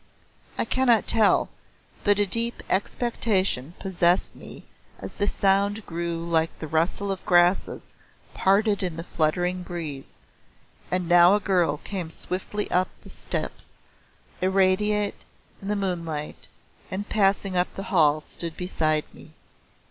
I cannot tell, but a deep expectation possessed me as the sound grew like the rustle of grasses parted in a fluttering breeze, and now a girl came swiftly up the steps, irradiate in the moonlight, and passing up the hall stood beside me.